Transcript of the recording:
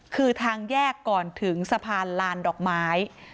คือทางแยกก่อนถึงสะพานลานดอกไม้